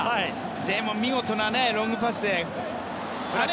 でも、見事なロングパスでね。